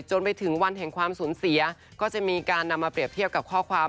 จนไปถึงวันแห่งความสูญเสียก็จะมีการนำมาเปรียบเทียบกับข้อความ